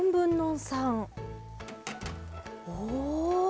おお。